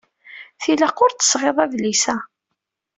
Tilaq ur d-tesɣiḍ adlis-a.